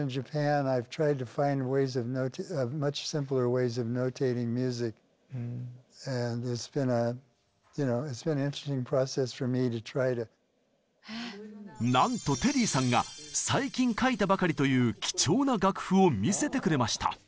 ちなみになんとテリーさんが最近書いたばかりという貴重な楽譜を見せてくれました。